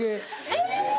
え！